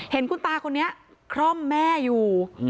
เห็นคุณตาคนนี้คร่อมแม่อยู่